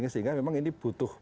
sehingga memang ini butuh